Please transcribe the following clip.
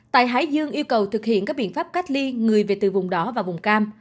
tại hải dương yêu cầu thực hiện các biện pháp cách ly người về từ vùng đỏ và vùng cam